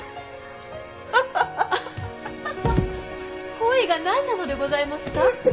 鯉が何なのでございますか？